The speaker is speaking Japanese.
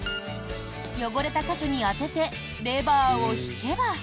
汚れた箇所に当ててレバーを引けば。